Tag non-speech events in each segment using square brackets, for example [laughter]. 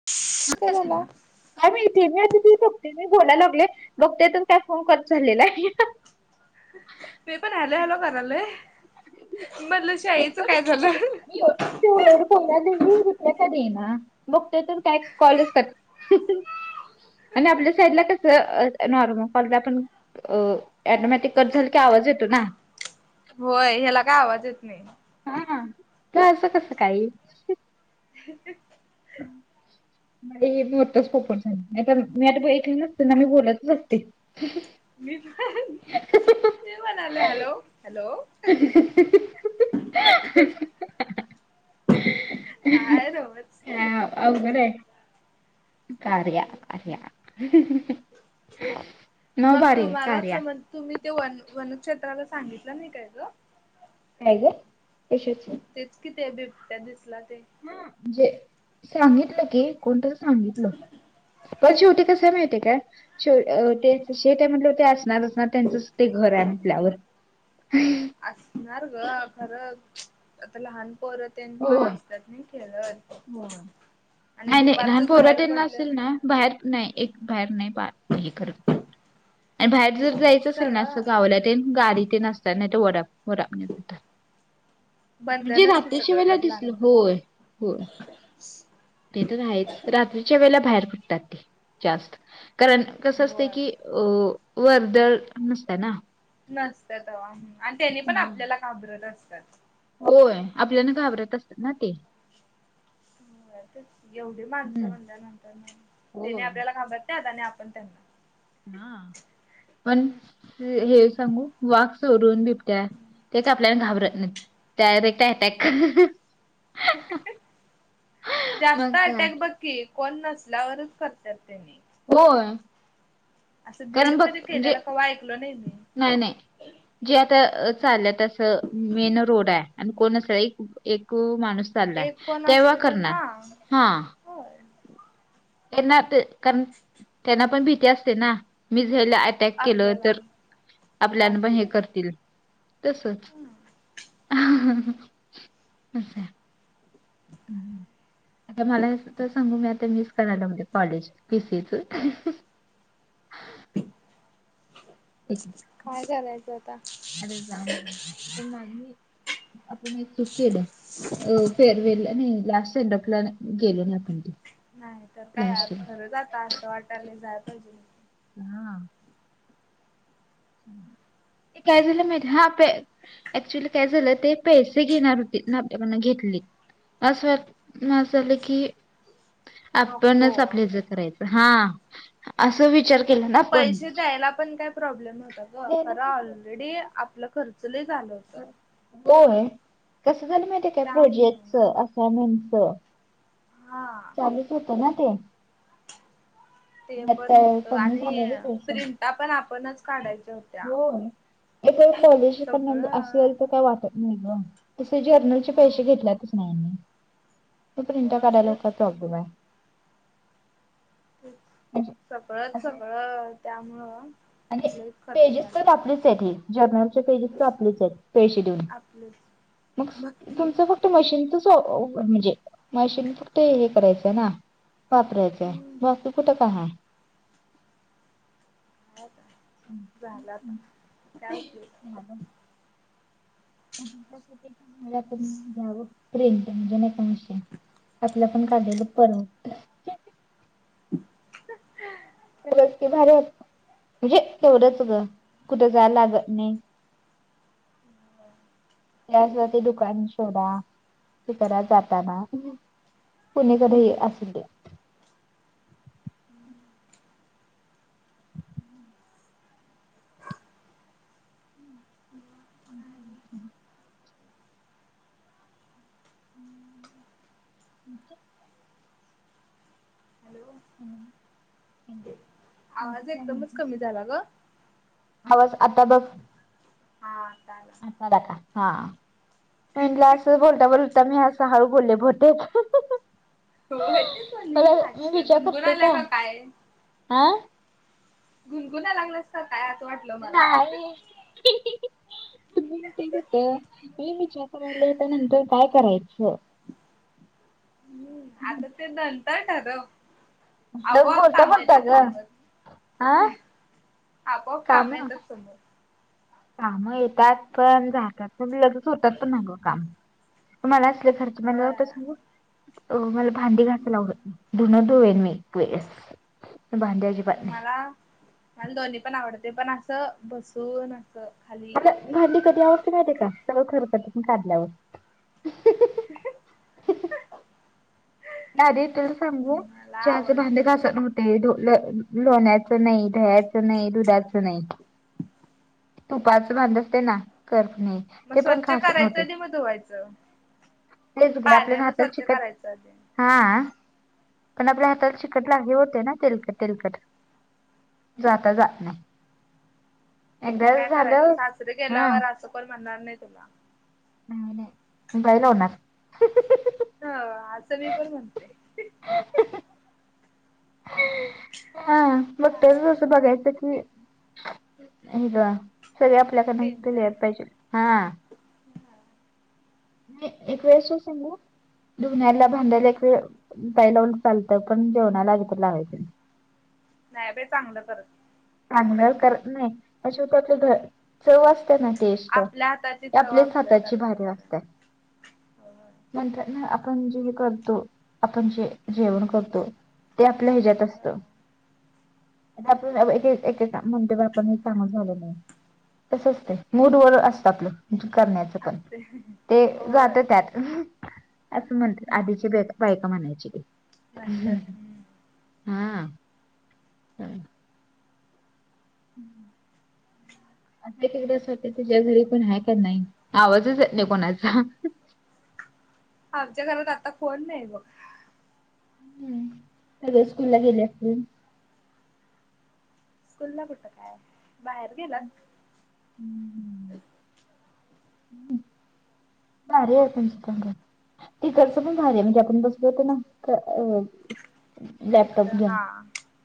[unintelligible] काय झालं? काय माहिती, मी आत [unintelligible] बोलायला लागलोय बघतोय तर, काय फोन कट झालेला आहे. मी पण हँलो हँलो! करालोय म्हणलं शाईचं काय झालं? [unintelligible] [unintelligible] रिप्लाय का देईना मग, बघतोय तर काय कॉलच कट. आणि आपल्या साईडला कसं नॉर्मल कॉलला पण अ अटोमॅटिक कट झालं की, आवाज येतो ना. होय, ह्याला काय आवाज येत नाही. हा, खरं असं कसं काय हे? [unintelligible] [unintelligible] नाही [unintelligible] नाही तर मी, आता ऐकल नसते ना मी बोलतच असते. मी मी म्हणालं हॅलो हॅलो हाय रज होद र कार या कर या नव मग बारी कार तुम्हालाच या म्हण तुम्ही ते वन वनक्षेत्राला सांगितलं नाही काय ग नाहीय ग एसेच तेच किती बिबट्या दिसला ते हा जे सांगितलं की कोणत सांगितलं पण शेवटी का स मातीे का तेेट म्हटलं ते असणार असणार त्यांचच ते घर आहे म्हटल्यावर हम्म असणार ग खरं आता लहान परत येन पण असतात नाही खेळत हो आणि नाही नाही लहान दुपारचच बाहेर पोरातना पडलंय असेल ना म्हणल्यावर बाहेर नाही एक बाहेर नाही बा कर. आणि बाहेर जर जायचं असेल ना असं सगळं गावल्या ते गाडी ते न असतात नाही तर वड वर जात. म्हणजे बंधनच की सगळं रात्रीशिवाेला खरं लहान दिसल मुलांना होय होय. ते तर आहेच रात्रीच्या वेळेला बाहेर पडतात ते जास्त कारण. कसं असते होय की अ वर्दळ नसतय ना. नसत हवा आणि त्याने पण हा. आपल्याला काबरलं असतात. होय आपल्यान घाबरत असत ना ते. हो एवढी माणसं हम्म. म्हणल्या नंतर त्याने होय. आपल्याला थांबत त्या आता आणि आपण त्यांना. हा पण हे सांगू वाघ सोडून बिबट्या ते काय आपल्याला घाबर. त्यावर एकट अटॅक मग काय. के कोन नसल्यावरच करतात त्यांनी. होय. असं भीड कारण बघ मध्ये म्हणजे केल्याला कव ऐकलो नाही मी. नाही नाही जे आता चाललं तसं मेन रोड आहे आणि कोण अस एक एक माणूस चालला एक कोण तेव्हा असले तर करणार हा हा होय त्यांना कारण त्यांना पण भीती असते ना मी झा अक केलं आपल्याला तर आपल्या काय पण हे होईल. करतील तसच अस. [inaudible] आता मला सांगू मी आता मिस करायला म्हणज कॉलेज पीसीच. काय कलायचं आता. अरे जाम ना. पण आपण सुकेला फेर वेला नाही लास्ट. सेंडपला गेलो ना आपण त. नाही तर काय आज खरंच आ असं वाटाले जायला पाहिजे नाही. हा. [inaudible] ते काय दि मी हा प. ऍक्च्युली काय झालं ते पैसे घेणार होते आपल्याकण घेतली. असज वा माझ झालं की. आपणच नको आपल्या ज करायचं हा अस विचार. केला ना आपण पैसे द्यायला पण काही प्रॉब्लेम नव्हता ग द्यायलाच खरं नको. ऑलरेडी आपलं खर्च ल झालं. ता. होय कसं झालं माहिती काय त्यामुळं प्रोजेक्टच असइनमेंटच. हा. चालूच होत ना ते. ते त्यात पण काय होतं कमी आणि झाले रे प्रिंटा पण आपणच काढायच्या होत. हो इ तर कॉलेजिक सगळं असेल तर काही वाटत नाही ग. तसे जर्नल चे हा पैसे घेतले तस नाहीनी त प्रिंट होय काढायला तेच का की प्रॉब्लेम आहे. म्हणजे सगळच असं सगळं त्यामुळं. आणि लईच खर्च पेजेस झाला. तर आपले. जल पजस आप पै देऊन आपलंच मग बघ की तुमच फक्त. फक्त मशीनचच म्हणजे मशीन फक्त हे करायचं आहे ना. वापरा्याच्या हम्म मस्ू कुठं का. हो का झालंता थँक यू. ह. आपण घ्यावं टेन म्हणजे नाही काश. आपलं पण काढलेलं परवत. [inaudible] भारी म्हणजे तेवढंच ग कुठे जाय लागत नाही. ह. ते ते दुकान शोधा ते करा जाताना कोणी कध असेल ते ह. हम्. हॅलो. ह् ह. आवाज एकदमच कमी झाला ग. हवस आता बघ. हा चालेल. आता हा म्. बोललता बोललता मे्या सहळू बोले भतेे हो य तेच झाली मी आजशी काय विचार गुणगुण करते आल्या का काय? हा. गुणगुना लागलं अस काय असं वाटलं मला. नाही. होत मी विचार करायला त्यानंतर काय करायचं. हम्म आता ते दंत ठात आवो असं बोलता काम बोलता येतात ग हा समोर आपोआप काम येतात समोर काम येतात पण जातात पण लगेच होतात पण ना गं काम मला असले खर्च म होय मला भांडी घायला लावडत धुण न मी भांड्या मला मला दोन्ही पण आवडते पण असं बसून असं. खाली मता भांडी कधी अवस्थे मा आहे का सगळं खरख पण काढल्यावर [unintelligible] नाहीध तुला सांगू मला जहाज भांधे आवडते घास नव्हत. ते ल लोण्याचं नाही दयाचं नाही दुधाचं नाही. तुपाच बांध असते ना करफ नाही. मग स्वच्छ करायचंधी मग धुवायचं तेच ग आपल्या पाण्यान हाताला स्वच्छ चिकट करायचं आधी हा पण आपल्या हाताला चिकट लागली होते ना तिलकट तिलकट जाता जात नाही. काय एकदाच करायच तू झालं सासरे हा गेल्यावर असं कोण म्हणणार नाही तुला? बायला होणार. ह असं मी पण म्हणते. हो. हा बघ तरच असं बघायचं की हे सगळ्या आपल्यात आता इथ टेन्शन लिहायला पाहिजे हा. नाही एक वेळसस सांगू धुण्याला, भांड्याला एक वेळ ताई लावून चालतं, पण जेवणाला कुठ लावायचं? नाही बाई चांगलं करत. चांगलं करत नाही अस करत्यात. चव असतिया ना टेस्ट, आपल्या हाताची ती चव आपल्याच आपल्या हाताची तरच भारी असते. असतीया नंतर ना आपण जे करतो, आपण जे जेवण करतो. ते आपल्या हेज्यात असत आणि आव हे एकेकदा म्हणतो बा आपण हे चांगलच झाल नाही आहे. तस असतय मूडवर असतं आपलं, करण्याचं पण असते ते जात होय. त्यात असं म्हणत्यात आधीची बा बायका म्हणायची. म्हणतात हम्म. हा आ. हं. [inaudible] एकेकदा अस वाटतय, तुझ्या घरी कोण हाय का नाही आवाजच येत नाही कोणाचा? आमच्या घरात आता कोण नाही बघ. हम्म सगळे स्कूल ला गेले असतील. स्कूलला कुठं काय? बाहेर गेल्यात हम्म हम् [inaudible] कार्य ओपन क कर. ती खर्च पण झाली म्हणजे आपण बसलो होतो ना अ [unintelligible] लॅपटॉप तिकडं द्या हा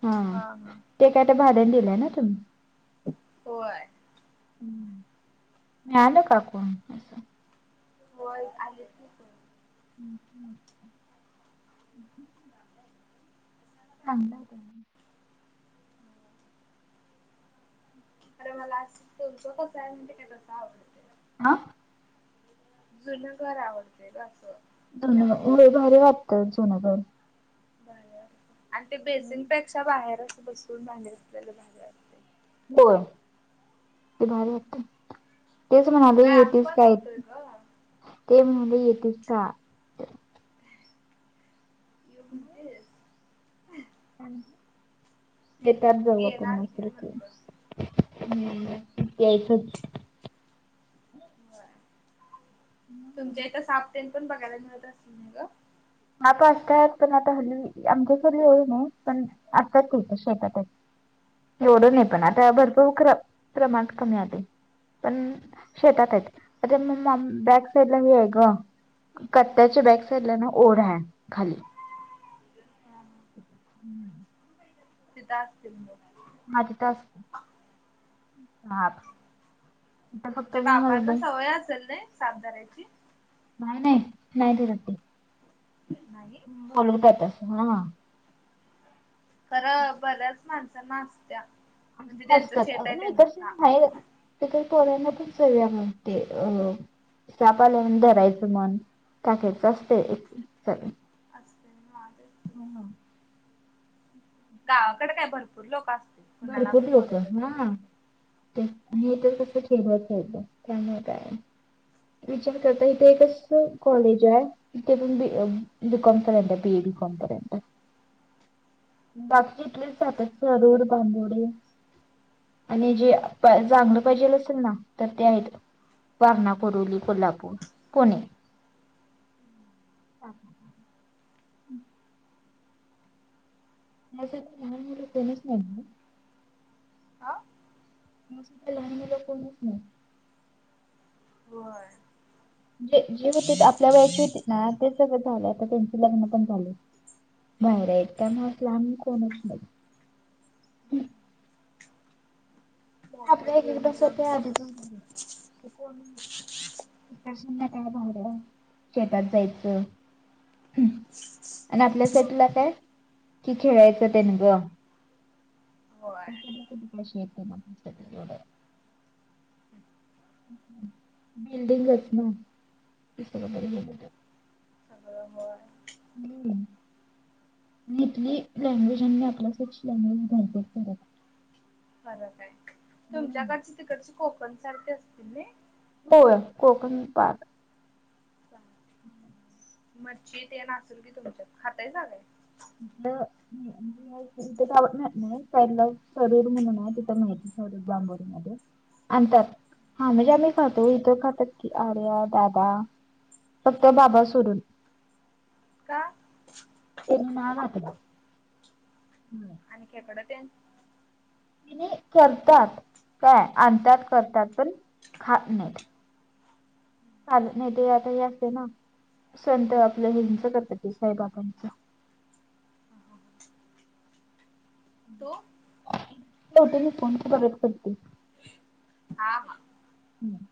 हा ते काय ते भाड्याने दिलंय ना तुम्ही होय. मिळालं काय कोण? व्हय आलेत की ते हम्् [unintelligible] थांबला होता. खर मला आज अस तुमच कस हाय ते तसं आवडत. हा. जुनं घर आवडतय ग आसं. जुन होय भारी वाटतय जुन घर. बर आणि ते बेसिनपेक्षा बाहेरच बसून भांडी घासलेल भारी वाटतय. होय भारी वाटतय. तेच म्हणालोय व्यायाम येेतीस पण काय? होतोय ग ते म्हणाले येेतीस का? ये म्हणतेस. ये त्यात जाऊ आपण येणार की मस्तपैकी म्हणलं. हम् यायचंच. तुमच्या इथं साप तेन पण बघायला मिळत असतील नाय ग. आता असतात पण आता हली आमच्या इथ लई नाही, पण आसतात ते शेतातच [inaudible] एवढं नाही पण शेतात आता असते. भरपूर क प्रमाण कमी आलय. पण शेतात आहेत आता मग मॅ बॅक साईड ला हे हाय ग. कट्याच्या बॅक साइडला ना ओढा आहे खाली हम्म. तिथं असतील मग हा तिथच आत तुमच्या बाबांना सवय असेल नाही साप धरायची. भाय नाही नाही धरत ते. नाही. बोलवत्यातस हा. खरं बऱ्याच माणसा ना आसत्या असत असतात नाही कसे. त तर पोळ्यांना पण सगळ्या म्हणते अ. शपाल्या धरायचं मन काकायचं असत. अस् धन्यवाद. हम. गावाकडे काय भरपूर लोक असते. भरपूर लोक हा. ते आणि तर कसं खेळबळत ठतं त्यामुळे काय. विचार करता नाही. तेच इथे एकच. की कॉलेज आहे इथ प ब दुकमचा रह बीए दुकॉम रह. बाकी इले सततूड बांबोड. आणि जे जांगलं पाहिजेल असेल ना तर ते आहेत वागण्या. बरुली कोल्हापूर पुणे. ह. हम्. नाही लहला कोणीच नाही. हा. आमचा इथे लहानणीला कोणच नाही.. होय. जे जे होते आपल्या वेयाची होती ना ते सगळं झालं तर त्यांचे लग्न पण झाले.. बर ये एकदमच लांब कोणीच नाही.. मोबाईल आपल्या एक घेऊन एकदास घेऊन त्या आधीचच को.. विकास काय भार शेतात जायचं.. [inaudible] आणि होय आपल्यासाठीला काय कि खेळायचं त्या ना गं.. होय [inaudible] बिल्डिंगच ना.. हब. हम्म. इथली लँग्वेज आणि आपल्या सच लँग्वेज भ.. बरं का आहे आहे. तुमच्याकडची तिकडचे कोकण सारखे असतील ना.. हो कोकण पा.. [inaudible] मच्छी ते ना असेल की तुमच्यात खातय सगळे.. ल. तथ पला सरीूर म्हणून आहे तिथं माहिती सर बांबोली मध्ये.. अंतात हा म्हणजे आम्ही खातो इथं खातात की आर्या दादा.. फक्त बाबा सोडून.. का?. [inaudible] आणिख एकडं त्यां. त करतात काय आणतात करतात पण खा नाही. चाल नाही ते आता हे असते ना संत आपलं हिंच करतात ते साईबाबांचं. तो. होते मी कोणची परत करते. हा हा. हम्म.